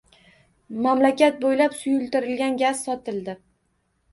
Mamlakat boʻylab suyultirilgan gaz sotildi.